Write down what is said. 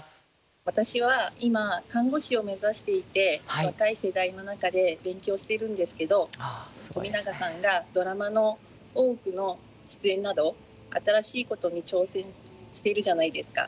私は今看護師を目指していて若い世代の中で勉強しているんですけど冨永さんがドラマの「大奥」の出演など新しいことに挑戦してるじゃないですか。